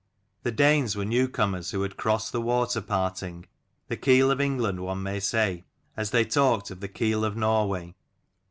The Danes were new comers, who had crossed the waterparting, the Keel of England one may say, as they talked of the Keel of Norway.